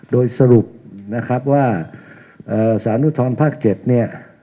โดยสรุปนะครับว่าเอ่อสารอุทธรณ์ภาคเจ็ดเนี่ย